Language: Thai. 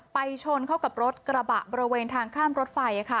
ชนเข้ากับรถกระบะบริเวณทางข้ามรถไฟ